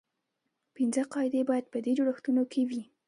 پنځه قاعدې باید په دې جوړښتونو کې وي.